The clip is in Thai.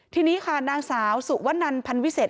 ทีนี้ค่ะนางสาวสุวนันพันวิเศษ